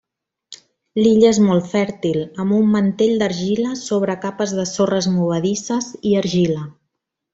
L'illa és molt fèrtil, amb un mantell d'argila sobre capes de sorres movedisses i argila.